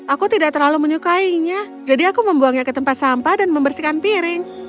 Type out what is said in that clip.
aku tidak terlalu menyukainya jadi aku membuangnya ke tempat sampah dan membersihkan piring